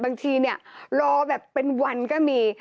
บางทีรอเป็นวันก็มี